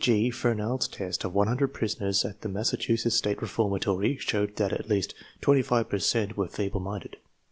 G. Fernald's tests of 100 prisoners at the Massachusetts State Reformatory showed that at least 5 per cent were feeble minded.